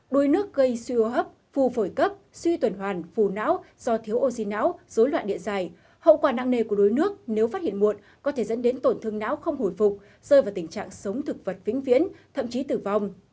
đuối nước gây suy hô hấp phù phổi cấp suy tuần hoàn phù não do thiếu oxy não dối loạn địa dài hậu quả nặng nề của đuối nước nếu phát hiện muộn có thể dẫn đến tổn thương não không hồi phục rơi vào tình trạng sống thực vật vĩnh viễn thậm chí tử vong